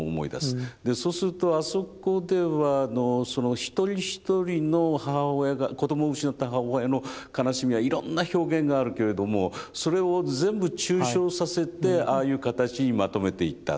でそうするとあそこではその一人一人の母親が子どもを失った母親の悲しみはいろんな表現があるけれどもそれを全部抽象させてああいう形にまとめていった。